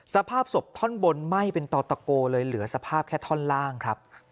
สภาพศพท่อนบนไหม้เป็นต่อตะโกเลยเหลือสภาพแค่ท่อนล่างครับ